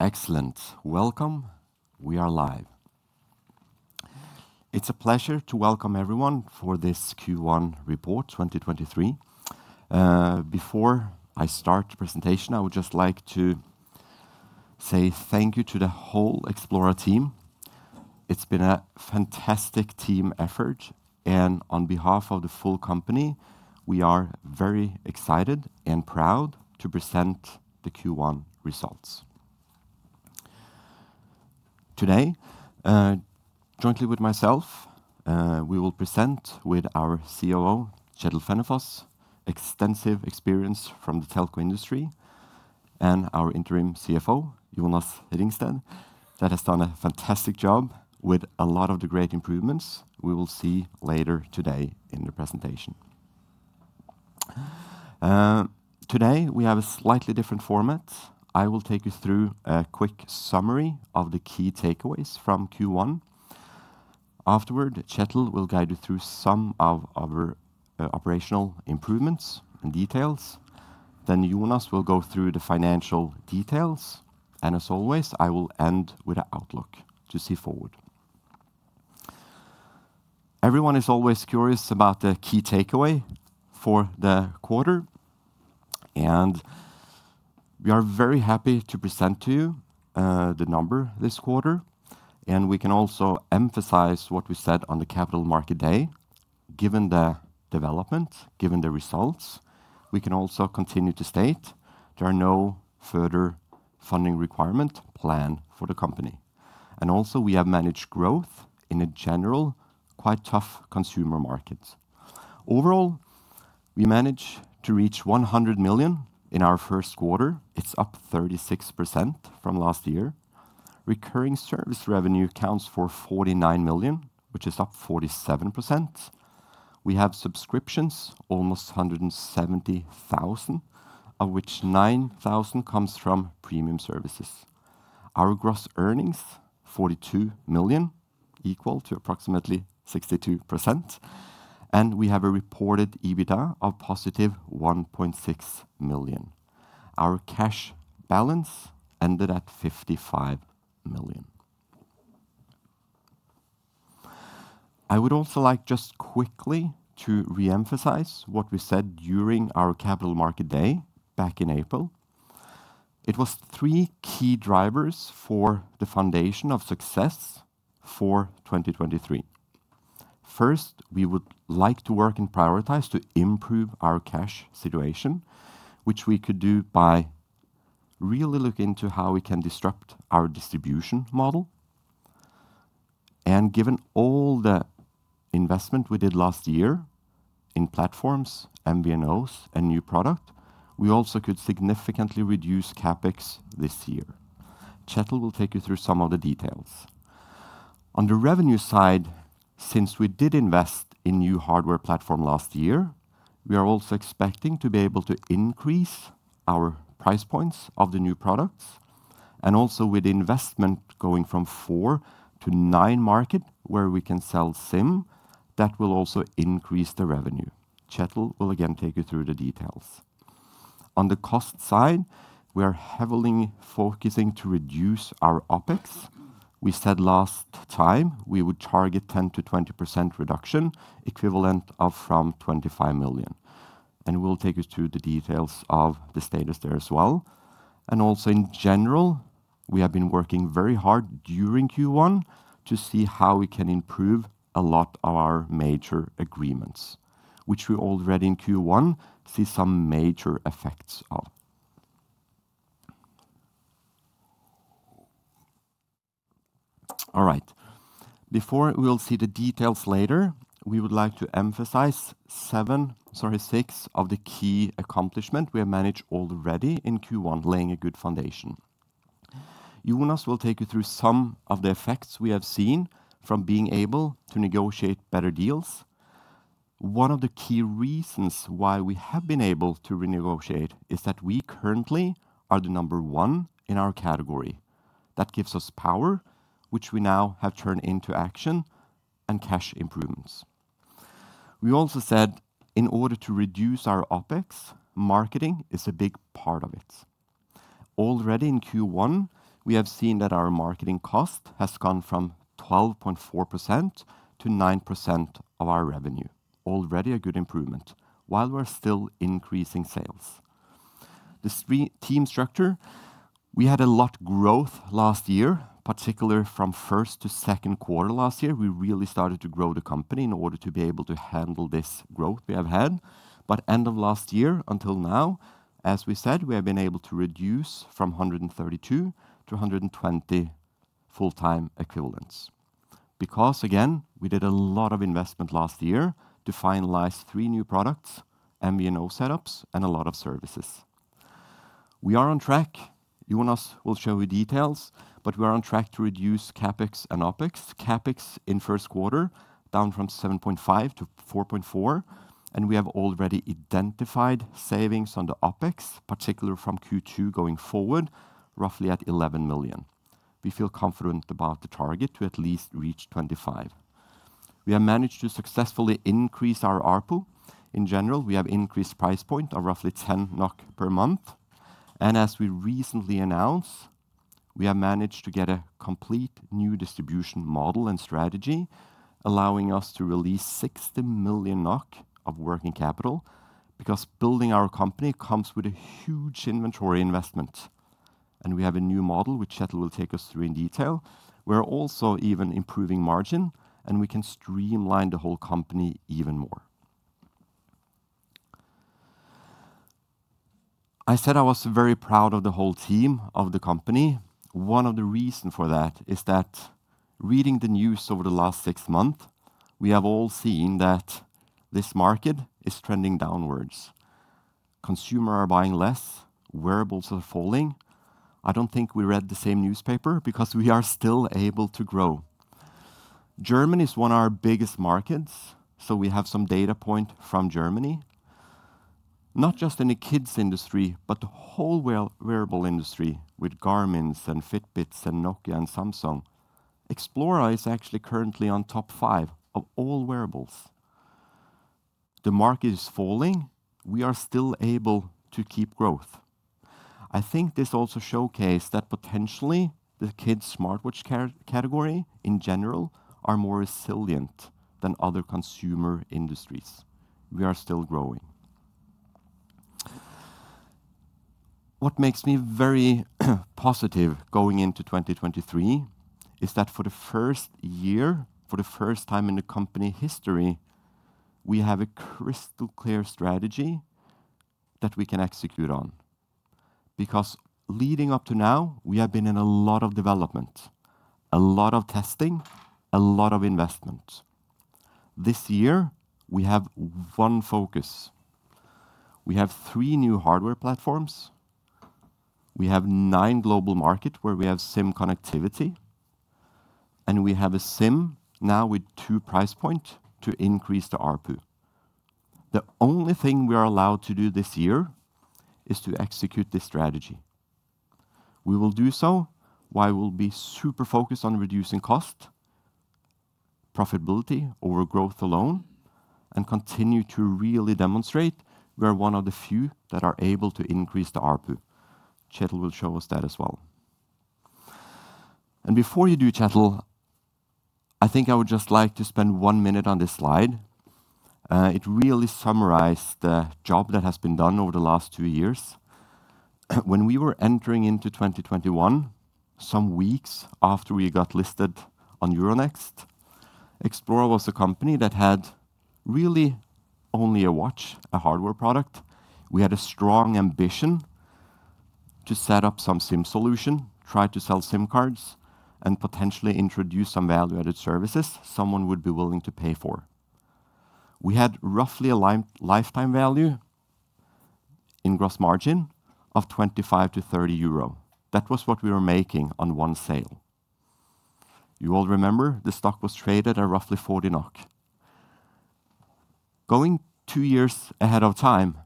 Excellent. Welcome. We are live. It's a pleasure to welcome everyone for this Q1 report 2023. Before I start the presentation, I would just like to say thank you to the whole Xplora team. It's been a fantastic team effort. On behalf of the full company, we are very excited and proud to present the Q1 results. Today, jointly with myself, we will present with our COO, Kjetil Fennefoss, extensive experience from the telco industry, and our Interim CFO, Jonas Ringstad, that has done a fantastic job with a lot of the great improvements we will see later today in the presentation. Today, we have a slightly different format. I will take you through a quick summary of the key takeaways from Q1. Afterward, Kjetil will guide you through some of our operational improvements and details. Jonas will go through the financial details, and as always, I will end with an outlook to see forward. Everyone is always curious about the key takeaway for the quarter, and we are very happy to present to you, the number this quarter, and we can also emphasize what we said on the Capital Markets Day, given the development, given the results. We can also continue to state there are no further funding requirement planned for the company. Also we have managed growth in a general, quite tough consumer market. Overall, we managed to reach 100 million in our first quarter. It's up 36% from last year. Recurring service revenue accounts for 49 million, which is up 47%. We have subscriptions almost 170,000, of which 9,000 comes from premium services. Our gross earnings, 42 million, equal to approximately 62%. We have a reported EBITDA of positive 1.6 million. Our cash balance ended at 55 million. I would also like just quickly to re-emphasize what we said during our Capital Markets Day back in April. It was three key drivers for the foundation of success for 2023. First, we would like to work and prioritize to improve our cash situation, which we could do by really look into how we can disrupt our distribution model. Given all the investment we did last year in platforms, MVNOs, and new product, we also could significantly reduce CapEx this year. Kjetil will take you through some of the details. On the revenue side, since we did invest in new hardware platform last year, we are also expecting to be able to increase our price points of the new products. With investment going from 4-9 market where we can sell SIM, that will also increase the revenue. Kjetil will again take you through the details. On the cost side, we are heavily focusing to reduce our OpEx. We said last time we would target 10%-20% reduction, equivalent of from 25 million. We'll take you through the details of the status there as well. In general, we have been working very hard during Q1 to see how we can improve a lot of our major agreements, which we already in Q1 see some major effects of. All right. Before we will see the details later, we would like to emphasize seven, sorry, six of the key accomplishment we have managed already in Q1, laying a good foundation. Jonas will take you through some of the effects we have seen from being able to negotiate better deals. 1 of the key reasons why we have been able to renegotiate is that we currently are the number 1 in our category. That gives us power, which we now have turned into action and cash improvements. We also said in order to reduce our OpEx, marketing is a big part of it. Already in Q1, we have seen that our marketing cost has gone from 12.4% to 9% of our revenue. Already a good improvement while we're still increasing sales. The team structure, we had a lot of growth last year, particularly from first to second quarter last year. We really started to grow the company in order to be able to handle this growth we have had. End of last year until now, as we said, we have been able to reduce from 132 to 120 full-time equivalents. Because, again, we did a lot of investment last year to finalize three new products, MVNO setups, and a lot of services. We are on track. Jonas will show you details. We're on track to reduce CapEx and OpEx. CapEx in first quarter down from 7.5 to 4.4. We have already identified savings on the OpEx, particularly from Q2 going forward, roughly at 11 million. We feel confident about the target to at least reach 25. We have managed to successfully increase our ARPU. In general, we have increased price point of roughly 10 NOK per month. As we recently announced, we have managed to get a complete new distribution model and strategy, allowing us to release 60 million NOK of working capital because building our company comes with a huge inventory investment. We have a new model, which Kjetil will take us through in detail. We're also even improving margin, and we can streamline the whole company even more. I said I was very proud of the whole team of the company. One of the reason for that is that reading the news over the last 6 months, we have all seen that this market is trending downwards. Consumer are buying less, wearables are falling. I don't think we read the same newspaper because we are still able to grow. Germany is one of our biggest markets, so we have some data point from Germany, not just in the kids industry, but the whole wearable industry with Garmins and Fitbits and Nokia and Samsung. Xplora is actually currently on top five of all wearables. The market is falling. We are still able to keep growth. I think this also showcase that potentially the kids smartwatch category in general are more resilient than other consumer industries. We are still growing. What makes me very positive going into 2023 is that for the first year, for the first time in the company history, we have a crystal clear strategy that we can execute on. Leading up to now, we have been in a lot of development, a lot of testing, a lot of investment. This year, we have one focus. We have three new hardware platforms. We have nine global market where we have SIM connectivity, and we have a SIM now with two price point to increase the ARPU. The only thing we are allowed to do this year is to execute this strategy. We will do so while we'll be super focused on reducing cost, profitability over growth alone, and continue to really demonstrate we're one of the few that are able to increase the ARPU. Kjetil will show us that as well. Before you do, Kjetil, I think I would just like to spend one minute on this slide. It really summarize the job that has been done over the last two years. When we were entering into 2021, some weeks after we got listed on Euronext, Xplora was a company that had really only a watch, a hardware product. We had a strong ambition to set up some SIM solution, try to sell SIM cards, and potentially introduce some value-added services someone would be willing to pay for. We had roughly a lifetime value in gross margin of 25-30 euro. That was what we were making on one sale. You all remember the stock was traded at roughly 40 NOK. Going two years ahead of time,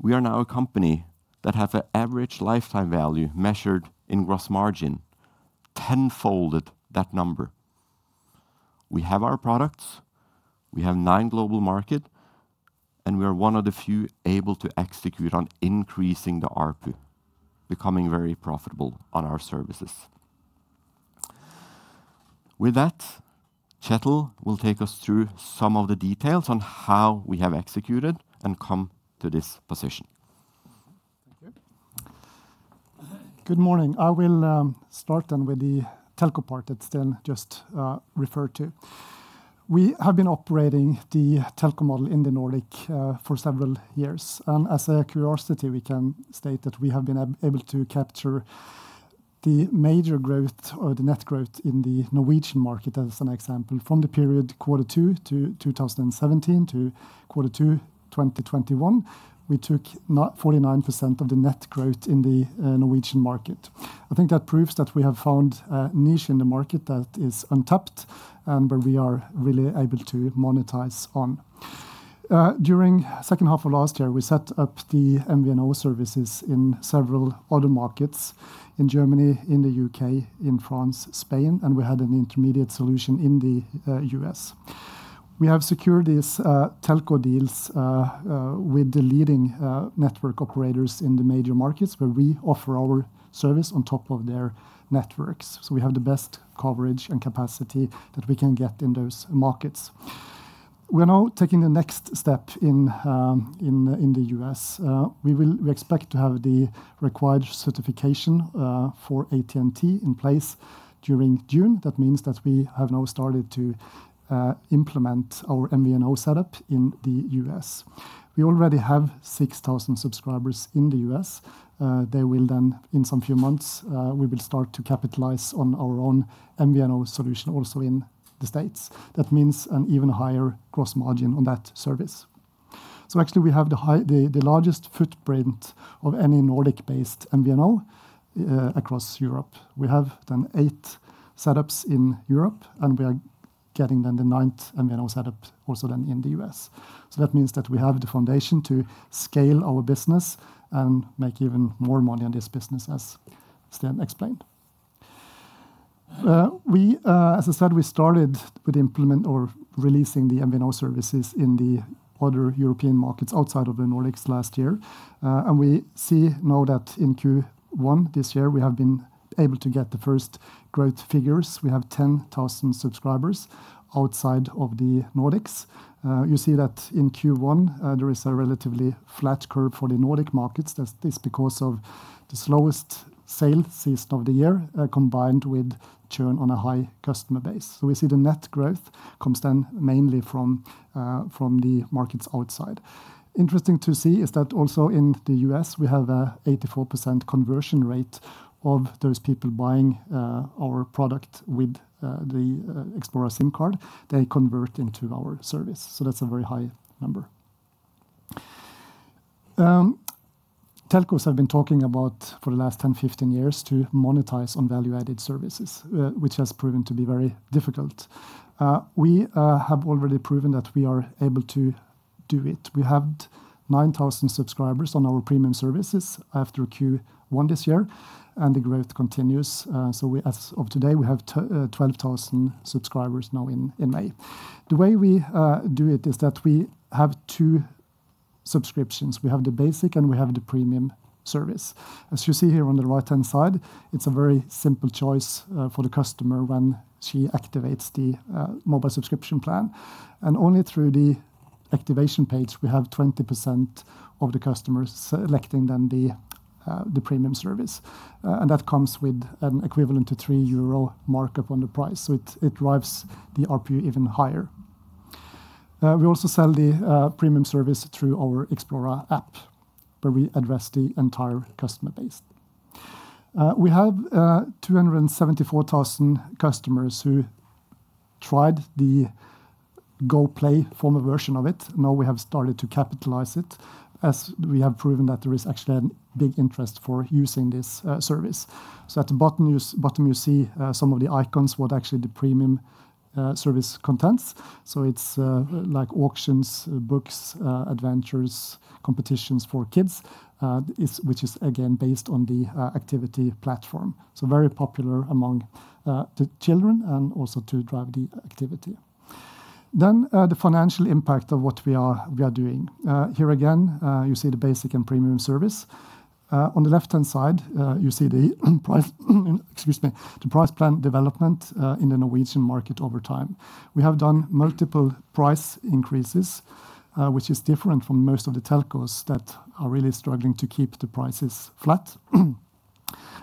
we are now a company that have an average lifetime value measured in gross margin tenfolded that number. We have our products, we have nine global market, We are one of the few able to execute on increasing the ARPU, becoming very profitable on our services. With that, Kjetil will take us through some of the details on how we have executed and come to this position. Thank you. Good morning. I will start then with the telco part that Sten just referred to. We have been operating the telco model in the Nordic for several years. As a curiosity, we can state that we have been able to capture the major growth or the net growth in the Norwegian market as an example. From the period quarter two to 2017 to quarter two 2021, we took 49% of the net growth in the Norwegian market. I think that proves that we have found a niche in the market that is untapped and where we are really able to monetize on. During second half of last year, we set up the MVNO services in several other markets, in Germany, in the UK, in France, Spain, and we had an intermediate solution in the US. We have secured these telco deals with the leading network operators in the major markets where we offer our service on top of their networks. We have the best coverage and capacity that we can get in those markets. We're now taking the next step in the U.S. We expect to have the required certification for AT&T in place during June. That means that we have now started to implement our MVNO setup in the U.S. We already have 6,000 subscribers in the U.S. They will then, in some few months, we will start to capitalize on our own MVNO solution also in the States. That means an even higher gross margin on that service. Actually, we have the largest footprint of any Nordic-based MVNO across Europe. We have eight setups in Europe, we are getting the 9th MVNO setup also in the U.S. That means that we have the foundation to scale our business and make even more money on this business, as Sten explained. As I said, we started with implement or releasing the MVNO services in the other European markets outside of the Nordics last year. We see now that in Q1 this year, we have been able to get the first growth figures. We have 10,000 subscribers outside of the Nordics. You see that in Q1, there is a relatively flat curve for the Nordic markets. That this because of the slowest sales season of the year, combined with churn on a high customer base. We see the net growth comes mainly from the markets outside. Interesting to see is that also in the US, we have a 84% conversion rate of those people buying our product with the Xplora SIM card, they convert into our service. That's a very high number. telcos have been talking about for the last 10, 15 years to monetize on value-added services, which has proven to be very difficult. We have already proven that we are able to do it. We have 9,000 subscribers on our premium services after Q1 this year, and the growth continues. As of today, we have 12,000 subscribers now in May. The way we do it is that we have two subscriptions. We have the basic and we have the premium service. As you see here on the right-hand side, it's a very simple choice for the customer when she activates the mobile subscription plan. Only through the activation page, we have 20% of the customers electing then the premium service. That comes with an equivalent to 3 euro markup on the price, so it drives the RPU even higher. We also sell the premium service through our Xplora app, where we address the entire customer base. We have 274,000 customers who tried the Goplay former version of it. Now we have started to capitalize it as we have proven that there is actually a big interest for using this service. At the bottom you see some of the icons, what actually the premium service contains. It's like auctions, books, adventures, competitions for kids, which is again based on the activity platform. Very popular among the children and also to drive the activity. The financial impact of what we are doing. Here again, you see the basic and premium service. On the left-hand side, you see the price, excuse me, the price plan development in the Norwegian market over time. We have done multiple price increases, which is different from most of the telcos that are really struggling to keep the prices flat.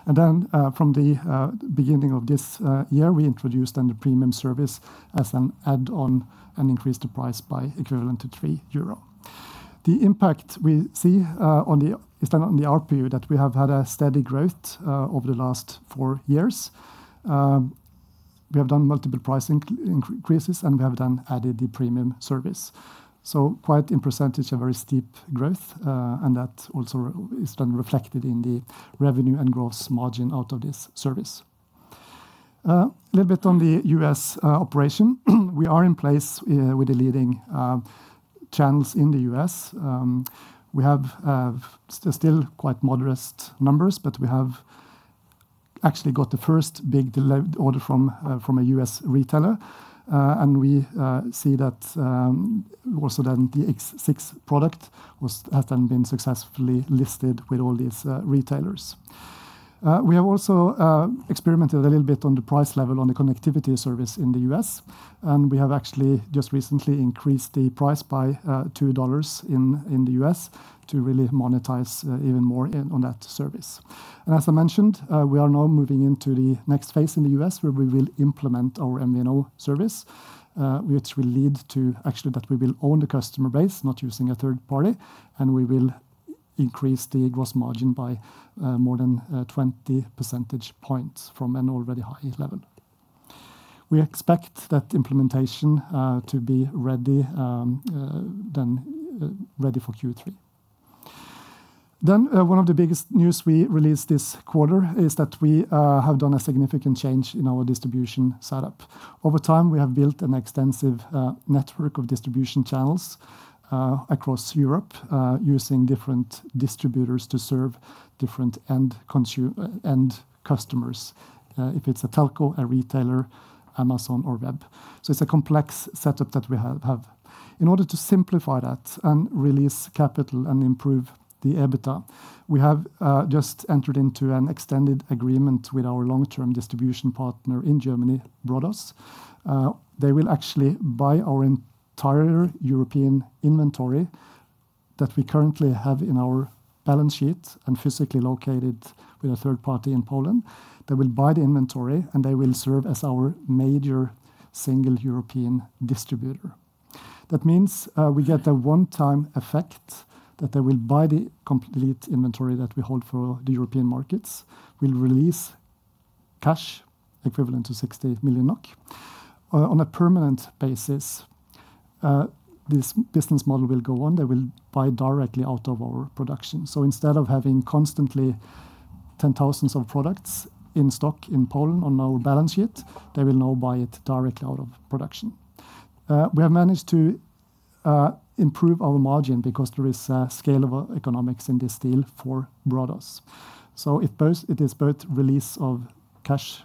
From the beginning of this year, we introduced then the premium service as an add-on and increased the price by equivalent to 3 euro. The impact we see on the, is then on the RPU, that we have had a steady growth over the last four years. We have done multiple price increases, and we have then added the premium service. Quite in percentage, a very steep growth, and that also is then reflected in the revenue and gross margin out of this service. A little bit on the US operation. We are in place with the leading channels in the US. We have still quite modest numbers, but we have actually got the first big order from a US retailer. And we see that also then the X6 product has then been successfully listed with all these retailers. We have also experimented a little bit on the price level on the connectivity service in the US, and we have actually just recently increased the price by $2 in the US to really monetize even more in on that service. As I mentioned, we are now moving into the next phase in the US where we will implement our MVNO service, which will lead to actually that we will own the customer base, not using a third party, and we will increase the gross margin by more than 20 percentage points from an already high level. We expect that implementation to be ready then ready for Q3. One of the biggest news we released this quarter is that we have done a significant change in our distribution setup. Over time, we have built an extensive network of distribution channels across Europe, using different distributors to serve different end customers, if it's a telco, a retailer, Amazon or web. It's a complex setup that we have. In order to simplify that and release capital and improve the EBITDA, we have just entered into an extended agreement with our long-term distribution partner in Germany, Brodos. They will actually buy our entire European inventory that we currently have in our balance sheet and physically located with a third party in Poland. They will buy the inventory, and they will serve as our major single European distributor. That means, we get a one-time effect that they will buy the complete inventory that we hold for the European markets. We'll release cash equivalent to 60 million NOK. On a permanent basis, this business model will go on. They will buy directly out of our production. Instead of having constantly 10,000s of products in stock in Poland on our balance sheet, they will now buy it directly out of production. We have managed to improve our margin because there is scalable economics in this deal for Brodos. It is both release of cash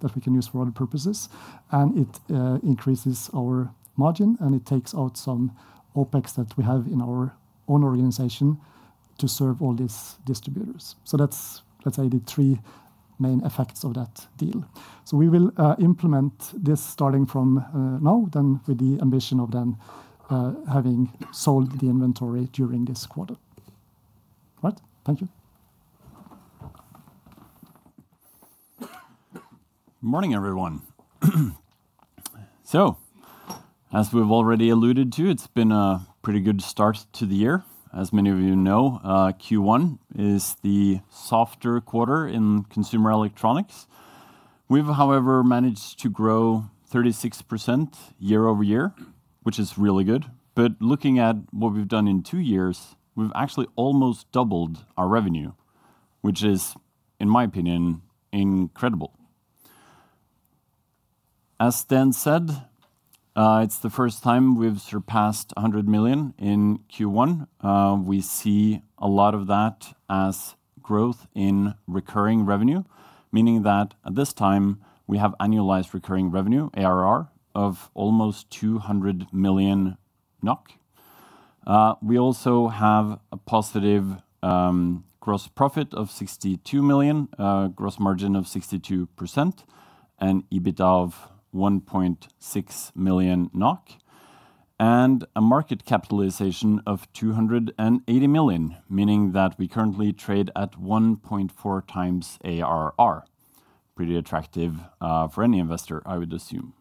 that we can use for other purposes, and it increases our margin, and it takes out some OpEx that we have in our own organization to serve all these distributors. That's, let's say, the three main effects of that deal. We will implement this starting from now, then with the ambition of then having sold the inventory during this quarter. Right. Thank you. Morning, everyone. As we've already alluded to, it's been a pretty good start to the year. As many of you know, Q1 is the softer quarter in consumer electronics. We've, however, managed to grow 36% year-over-year, which is really good. Looking at what we've done in two years, we've actually almost doubled our revenue, which is, in my opinion, incredible. As Sten said, it's the first time we've surpassed 100 million in Q1. We see a lot of that as growth in recurring revenue, meaning that at this time, we have annualized recurring revenue, ARR, of almost 200 million NOK. We also have a positive gross profit of 62 million, gross margin of 62%, an EBIT of 1.6 million NOK, and a market capitalization of 280 million, meaning that we currently trade at 1.4x ARR. Pretty attractive for any investor, I would assume.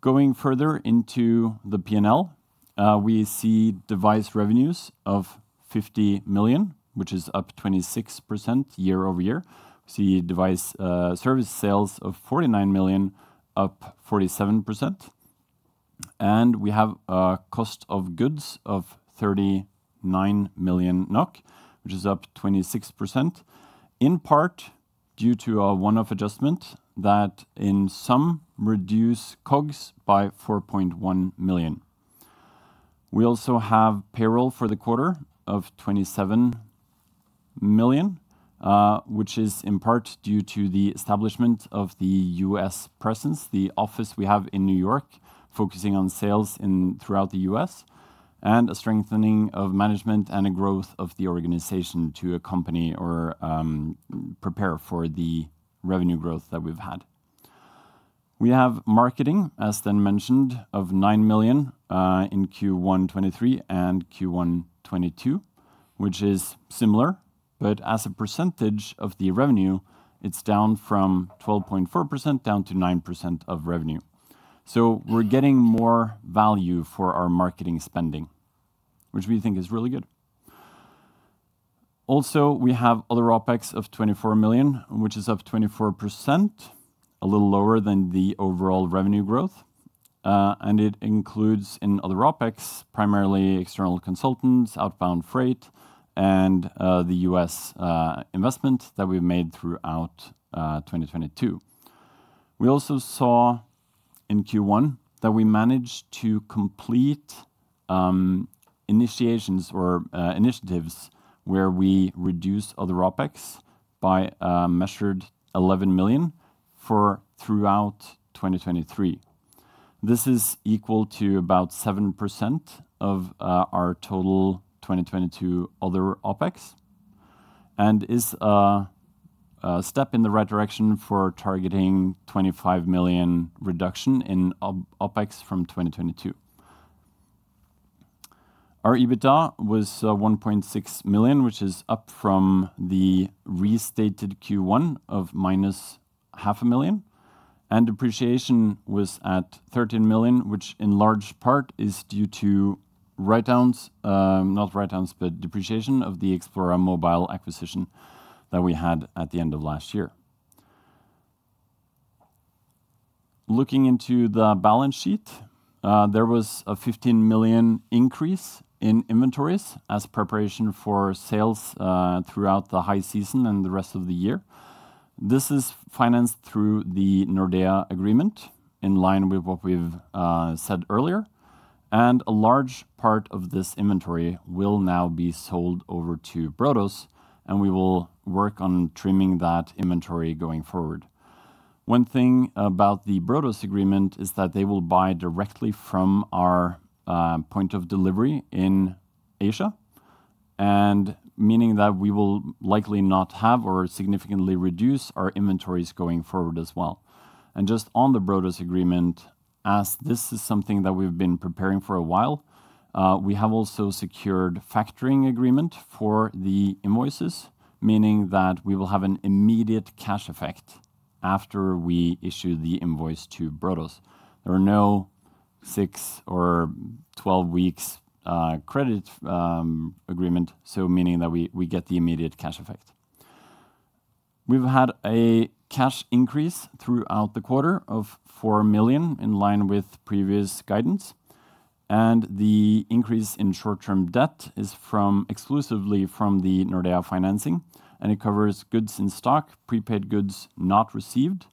Going further into the P&L, we see device revenues of 50 million, which is up 26% year-over-year. We see device service sales of 49 million, up 47%. We have a cost of goods of 39 million NOK, which is up 26%, in part due to a one-off adjustment that in some reduce COGS by 4.1 million. We also have payroll for the quarter of 27 million, which is in part due to the establishment of the US presence, the office we have in New York, focusing on sales throughout the US, and a strengthening of management and a growth of the organization to accompany or prepare for the revenue growth that we've had. We have marketing, as Sten mentioned, of 9 million in Q1 2023 and Q1 2022, which is similar. As a percentage of the revenue, it's down from 12.4% down to 9% of revenue. We're getting more value for our marketing spending, which we think is really good. We have other OpEx of 24 million, which is up 24%, a little lower than the overall revenue growth. It includes in other OpEx, primarily external consultants, outbound freight, and the U.S. investment that we've made throughout 2022. We also saw in Q1 that we managed to complete initiations or initiatives where we reduced other OpEx by measured 11 million for throughout 2023. This is equal to about 7% of our total 2022 other OpEx and is a step in the right direction for targeting 25 million reduction in OpEx from 2022. Our EBITDA was 1.6 million, which is up from the restated Q1 of minus NOK half a million. Depreciation was at 13 million, which in large part is due to write-downs, not write-downs, but depreciation of the Xplora Mobile acquisition that we had at the end of last year. Looking into the balance sheet, there was a 15 million increase in inventories as preparation for sales throughout the high season and the rest of the year. This is financed through the Nordea agreement in line with what we've said earlier. A large part of this inventory will now be sold over to Brodos. We will work on trimming that inventory going forward. One thing about the Brodos agreement is that they will buy directly from our point of delivery in Asia, meaning that we will likely not have or significantly reduce our inventories going forward as well. Just on the Brodos agreement, as this is something that we've been preparing for a while, we have also secured factoring agreement for the invoices, meaning that we will have an immediate cash effect after we issue the invoice to Brodos. There are no six or 12 weeks, credit agreement, so meaning that we get the immediate cash effect. We've had a cash increase throughout the quarter of 4 million in line with previous guidance. The increase in short-term debt is from, exclusively from the Nordea financing, and it covers goods in stock, prepaid goods not received,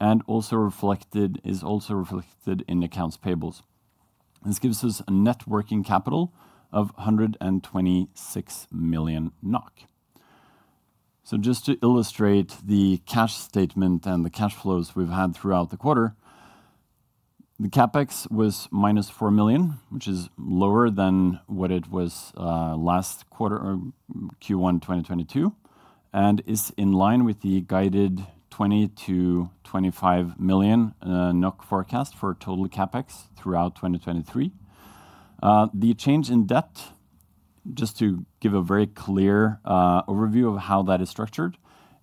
and is also reflected in accounts payables. This gives us a net working capital of 126 million NOK. Just to illustrate the cash statement and the cash flows we've had throughout the quarter, the CapEx was -4 million, which is lower than what it was last quarter or Q1 2022, and is in line with the guided 20 million-25 million NOK forecast for total CapEx throughout 2023. The change in debt, just to give a very clear overview of how that is structured,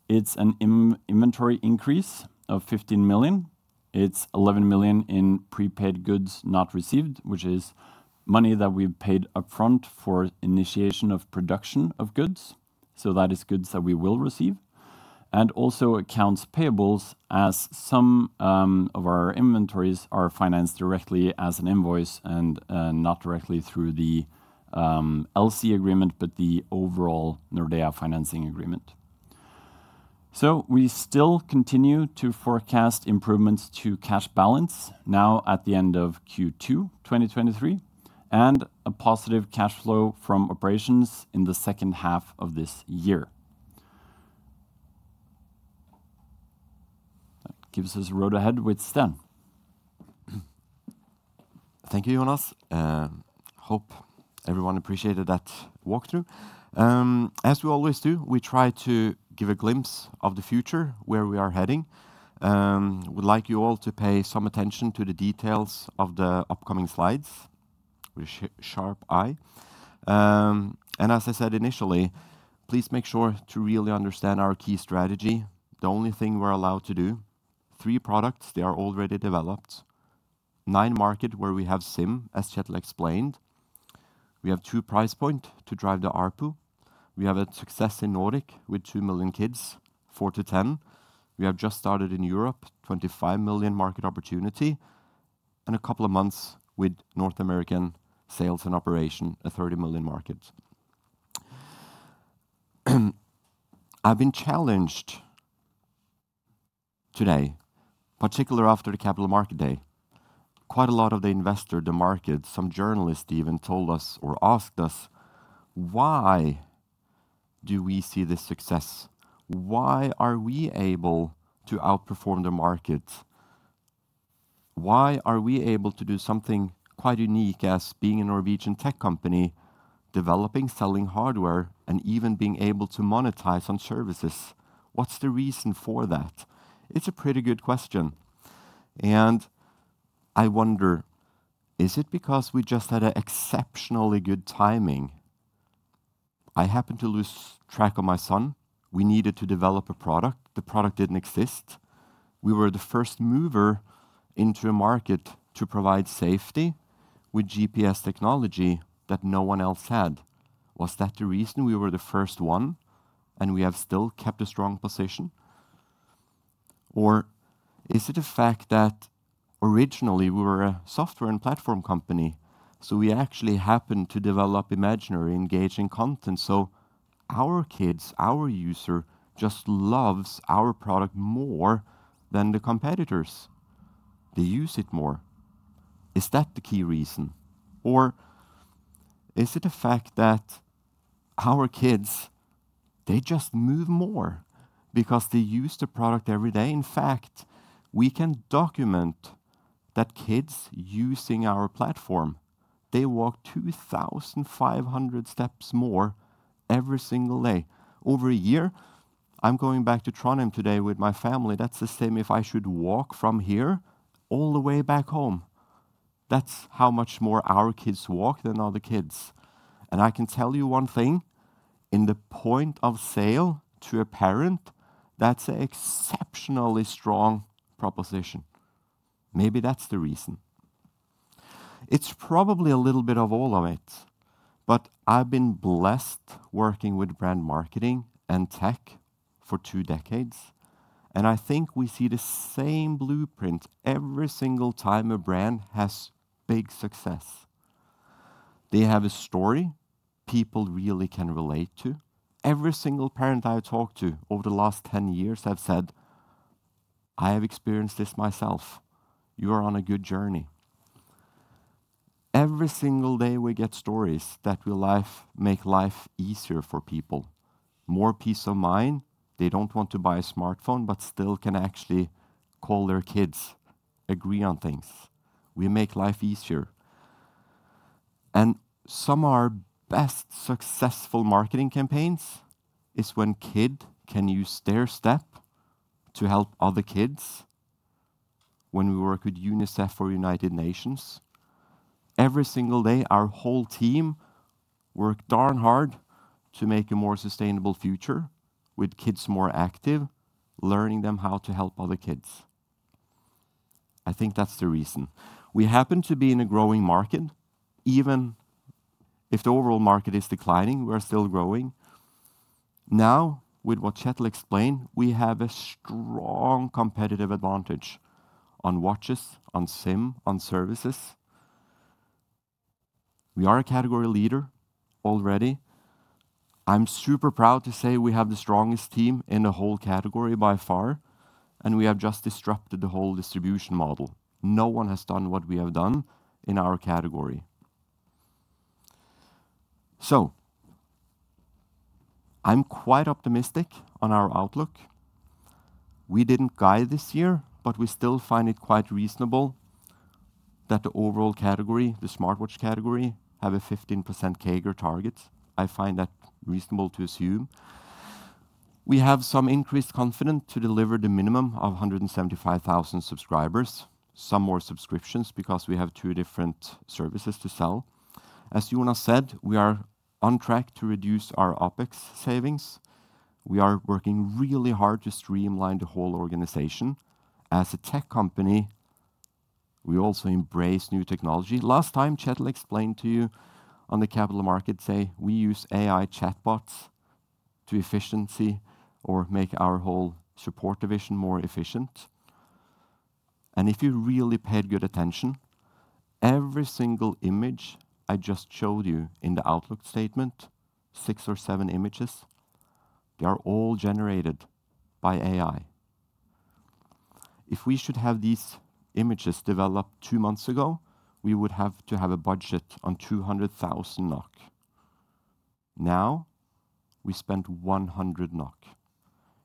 it's an in-inventory increase of 15 million. It's 11 million in prepaid goods not received, which is money that we've paid upfront for initiation of production of goods. That is goods that we will receive. Also accounts payables as some of our inventories are financed directly as an invoice and not directly through the LC agreement, but the overall Nordea financing agreement. We still continue to forecast improvements to cash balance now at the end of Q2, 2023, and a positive cash flow from operations in the second half of this year. That gives us the road ahead with Sten. Thank you, Jonas. Hope everyone appreciated that walkthrough. As we always do, we try to give a glimpse of the future where we are heading. We'd like you all to pay some attention to the details of the upcoming slides with a sharp eye. As I said initially, please make sure to really understand our key strategy. The only thing we're allowed to do, three products, they are already developed. Nine market where we have SIM, as Kjetil explained. We have two price point to drive the ARPU. We have a success in Nordic with two million kids, 4-10. We have just started in Europe, 25 million market opportunity, and a couple of months with North American sales and operation, a 30 million market. I've been challenged today, particularly after the Capital Markets Day. Quite a lot of the investor, the market, some journalists even told us or asked us, why do we see this success? Why are we able to outperform the market? Why are we able to do something quite unique as being a Norwegian tech company, developing, selling hardware, and even being able to monetize on services? What's the reason for that? It's a pretty good question. I wonder, is it because we just had a exceptionally good timing? I happened to lose track of my son. We needed to develop a product. The product didn't exist. We were the first mover into a market to provide safety with GPS technology that no one else had. Was that the reason we were the first one, and we have still kept a strong position? Is it a fact that originally we were a software and platform company, so we actually happened to develop imaginary engaging content, so our kids, our user, just loves our product more than the competitors. They use it more. Is that the key reason? Is it the fact that our kids, they just move more because they use the product every day? In fact, we can document that kids using our platform, they walk 2,500 steps more every single day. Over a year, I'm going back to Trondheim today with my family. That's the same if I should walk from here all the way back home. That's how much more our kids walk than other kids. I can tell you one thing, in the point of sale to a parent, that's an exceptionally strong proposition. Maybe that's the reason. It's probably a little bit of all of it, but I've been blessed working with brand marketing and tech for two decades, and I think we see the same blueprint every single time a brand has big success. They have a story people really can relate to. Every single parent I've talked to over the last 10 years have said, "I have experienced this myself. You are on a good journey." Every single day we get stories that will make life easier for people. More peace of mind. They don't want to buy a smartphone, but still can actually call their kids, agree on things. We make life easier. Some of our best successful marketing campaigns is when kid can use their step to help other kids. When we work with UNICEF or United Nations, every single day, our whole team work darn hard to make a more sustainable future with kids more active, learning them how to help other kids. I think that's the reason. We happen to be in a growing market. Even if the overall market is declining, we're still growing. With what Kjetil explained, we have a strong competitive advantage on watches, on SIM, on services. We are a category leader already. I'm super proud to say we have the strongest team in the whole category by far. We have just disrupted the whole distribution model. No one has done what we have done in our category. I'm quite optimistic on our outlook. We didn't guide this year. We still find it quite reasonable that the overall category, the smartwatch category, have a 15% CAGR target. I find that reasonable to assume. We have some increased confidence to deliver the minimum of 175,000 subscribers, some more subscriptions because we have two different services to sell. As Jonas said, we are on track to reduce our OpEx savings. We are working really hard to streamline the whole organization. As a tech company, we also embrace new technology. Last time, Kjetil explained to you on the Capital Markets Day, we use AI chatbots to make our whole support division more efficient. If you really paid good attention, every single image I just showed you in the outlook statement, six or seve images, they are all generated by AI. If we should have these images developed 2 months ago, we would have to have a budget on 200,000 NOK. Now, we spent 100 NOK.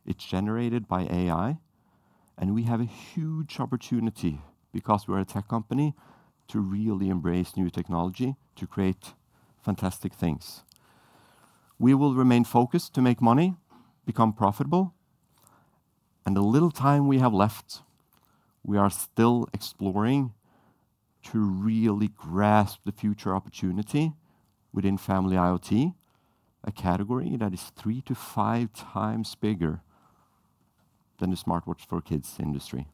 It's generated by AI. We have a huge opportunity because we are a tech company to really embrace new technology to create fantastic things. We will remain focused to make money, become profitable. The little time we have left, we are still exploring to really grasp the future opportunity within family IoT, a category that is 3x-5x bigger than the smartwatch for kids industry.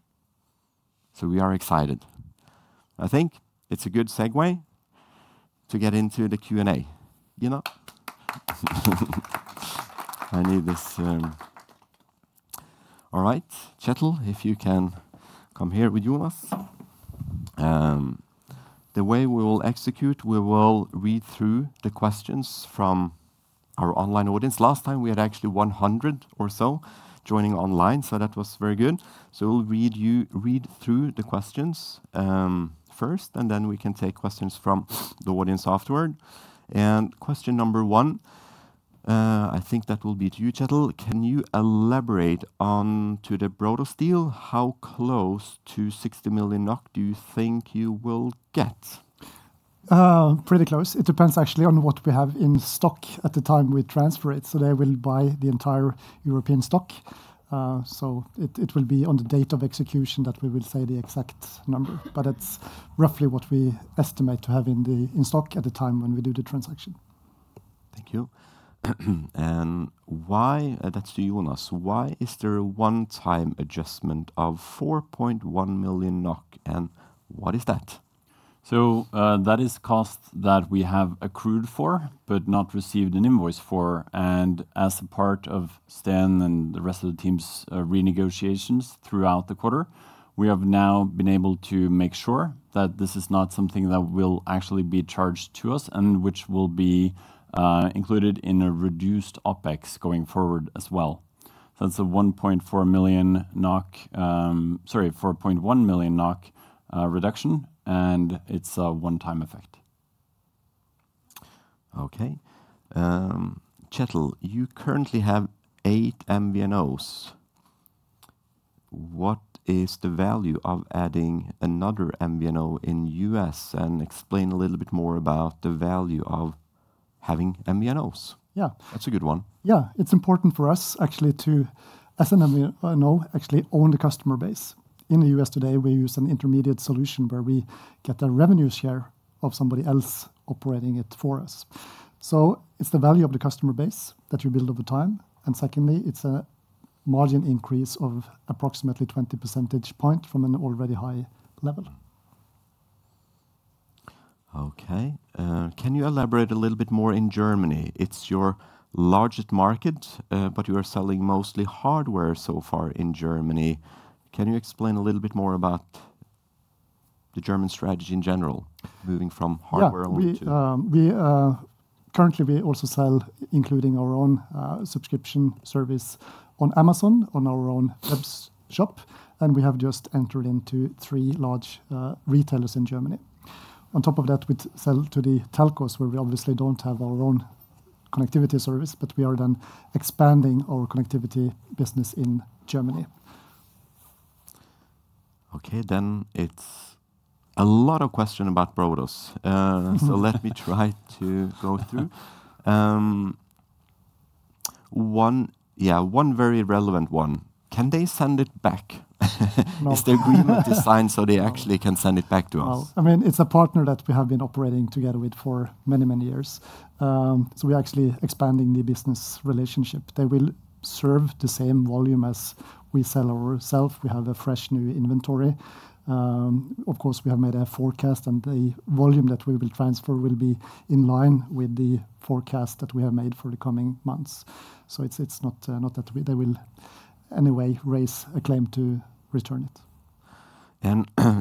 We are excited. I think it's a good segue to get into the Q&A. You know. I need this. All right. Kjetil, if you can come here with Jonas. The way we will execute, we will read through the questions from our online audience. Last time, we had actually 100 or so joining online, that was very good. We'll read through the questions, first, and then we can take questions from the audience afterward. Question number one, I think that will be to you, Kjetil. Can you elaborate on to the Brodos deal? How close to 60 million NOK do you think you will get? pretty close. It depends actually on what we have in stock at the time we transfer it. They will buy the entire European stock. It, it will be on the date of execution that we will say the exact number, but it's roughly what we estimate to have in stock at the time when we do the transaction. Thank you. That's to Jonas. Why is there a one-time adjustment of 4.1 million NOK, and what is that? That is cost that we have accrued for but not received an invoice for. As a part of Sten and the rest of the team's renegotiations throughout the quarter, we have now been able to make sure that this is not something that will actually be charged to us and which will be included in a reduced OpEx going forward as well. That's a 4.1 million NOK reduction, and it's a one-time effect. Okay. Kjetil, you currently have MVNOs. What is the value of adding another MVNO in U.S.? Explain a little bit more about the value of having MVNOs. Yeah. That's a good one. It's important for us actually to, as an MVNO, actually own the customer base. In the US today, we use an intermediate solution where we get a revenue share of somebody else operating it for us. It's the value of the customer base that you build over time. Secondly, it's a margin increase of approximately 20 percentage point from an already high level. Okay. Can you elaborate a little bit more in Germany? It's your largest market, but you are selling mostly hardware so far in Germany. Can you explain a little bit more about the German strategy in general, moving from hardware only? Yeah. We currently also sell including our own subscription service on Amazon, on our own web shop, and we have just entered into three large retailers in Germany. On top of that, we sell to the telcos, where we obviously don't have our own connectivity service, but we are then expanding our connectivity business in Germany. Okay. It's a lot of question about Brodos. Let me try to go through. One very relevant one. Can they send it back? No. Is the agreement designed so they actually can send it back to us? No. I mean, it's a partner that we have been operating together with for many, many years. We're actually expanding the business relationship. They will serve the same volume as we sell ourself. We have a fresh new inventory. Of course, we have made a forecast, the volume that we will transfer will be in line with the forecast that we have made for the coming months. It's not not that they will in any way raise a claim to return it.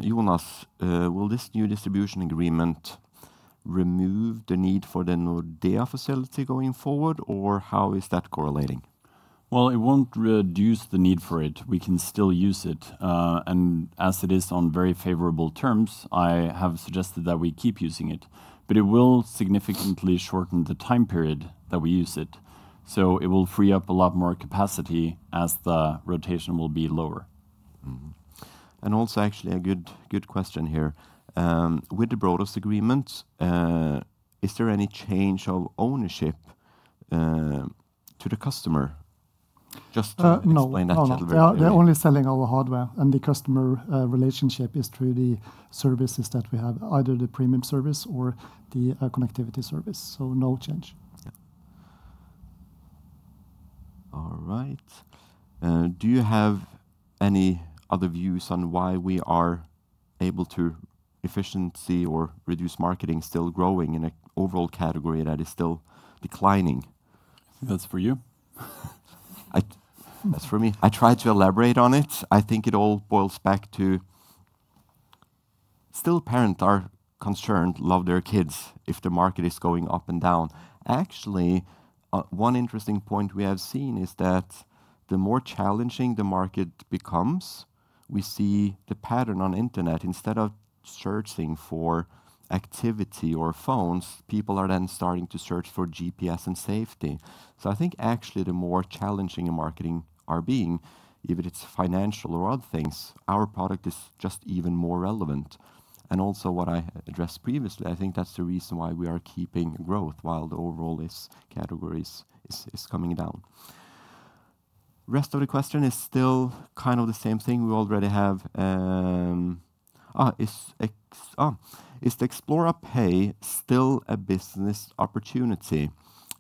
Jonas, will this new distribution agreement remove the need for the Nordea facility going forward, or how is that correlating? It won't reduce the need for it. We can still use it, and as it is on very favorable terms, I have suggested that we keep using it, but it will significantly shorten the time period that we use it, so it will free up a lot more capacity as the rotation will be lower. Mm-hmm. Also actually a good question here. With the Brodos agreement, is there any change of ownership to the customer? Just No. explain that, Kjetil, very quickly. No, no. They are only selling our hardware and the customer relationship is through the services that we have, either the premium service or the connectivity service. No change. Yeah. All right. Do you have any other views on why we are able to efficiency or reduce marketing still growing in a overall category that is still declining? That's for you. That's for me. I tried to elaborate on it. I think it all boils back to still parent are concerned, love their kids if the market is going up and down. Actually, one interesting point we have seen is that the more challenging the market becomes, we see the pattern on internet. Instead of searching for activity or phones, people are then starting to search for GPS and safety. I think actually the more challenging the marketing are being, if it's financial or other things, our product is just even more relevant. Also what I addressed previously, I think that's the reason why we are keeping growth while the overall is categories is coming down. Rest of the question is still kind of the same thing we already have. Is the Xplora Pay still a business opportunity?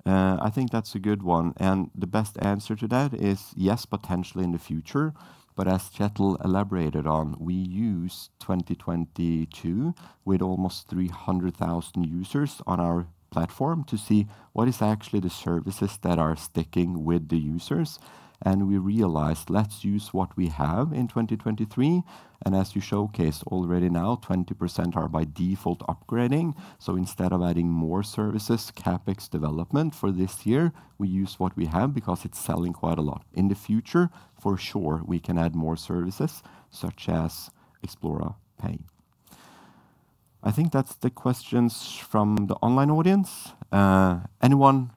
I think that's a good one. The best answer to that is yes, potentially in the future, but as Kjetil elaborated on, we use 2022 with almost 300,000 users on our platform to see what is actually the services that are sticking with the users, and we realized, let's use what we have in 2023. As you showcased already now, 20% are by default upgrading. Instead of adding more services, CapEx development for this year, we use what we have because it's selling quite a lot. In the future, for sure, we can add more services such as Xplora Pay. I think that's the questions from the online audience. Anyone?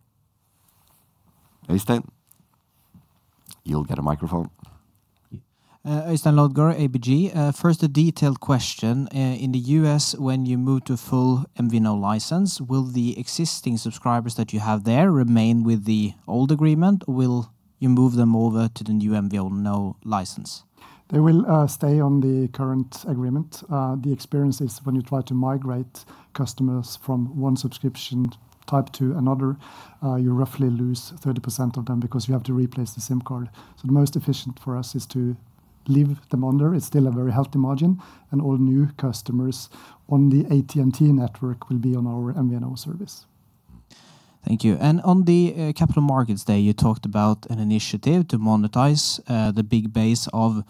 Øystein. You'll get a microphone. Yeah. Øystein Lodgaard, ABG. First a detailed question. In the U.S., when you move to full MVNO license, will the existing subscribers that you have there remain with the old agreement, or will you move them over to the new MVNO license? They will stay on the current agreement. The experience is when you try to migrate customers from one subscription type to another, you roughly lose 30% of them because you have to replace the SIM card. The most efficient for us is to leave them under. It's still a very healthy margin, and all new customers on the AT&T network will be on our MVNO service. Thank you. On the Capital Markets Day, you talked about an initiative to monetize, the big base of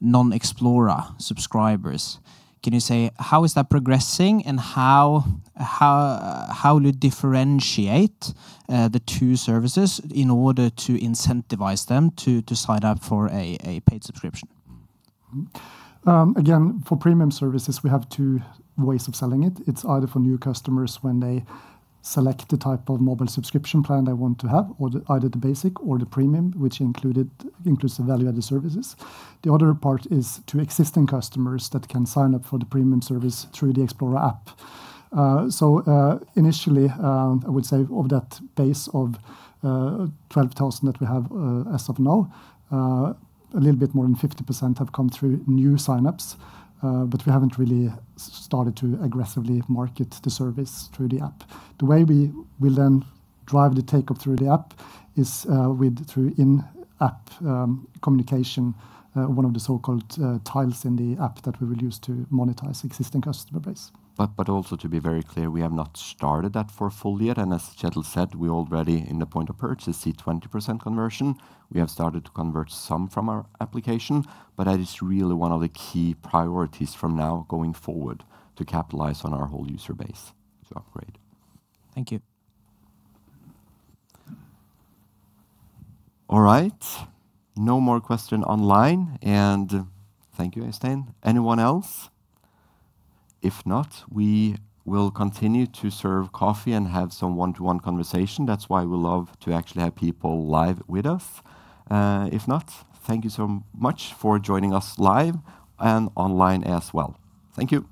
non-Xplora subscribers. Can you say how is that progressing and how will you differentiate, the two services in order to incentivize them to sign up for a paid subscription? Again, for premium services, we have two ways of selling it. It's either for new customers when they select the type of mobile subscription plan they want to have, or the either the basic or the premium, which includes the value-added services. The other part is to existing customers that can sign up for the premium service through the Xplora app. Initially, I would say of that base of 12,000 that we have as of now, a little bit more than 50% have come through new sign-ups, but we haven't really started to aggressively market the service through the app. The way we will then drive the take-up through the app is with through in-app communication, one of the so-called tiles in the app that we will use to monetize existing customer base. Also to be very clear, we have not started that for full yet, and as Kjetil said, we already in the point of purchase see 20% conversion. We have started to convert some from our application, but that is really one of the key priorities from now going forward to capitalize on our whole user base to upgrade. Thank you. All right. No more question online. Thank you, Øystein. Anyone else? If not, we will continue to serve coffee and have some one-to-one conversation. That's why we love to actually have people live with us. If not, thank you so much for joining us live and online as well. Thank you.